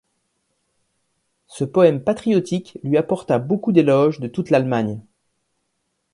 Ce poème patriotique lui apporta beaucoup d'éloges de toute l'Allemagne.